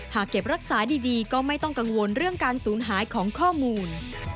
เก็บรักษาดีก็ไม่ต้องกังวลเรื่องการสูญหายของข้อมูล